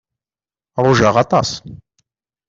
Rujaɣ aṭas.